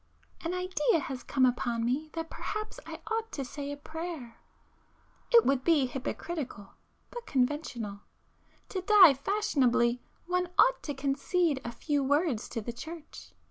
····· An idea has come upon me that perhaps I ought to say a prayer. It would be hypocritical,—but conventional. To die fashionably, one ought to concede a few words to the church.